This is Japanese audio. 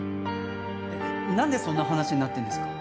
なんでそんな話になってるんですか？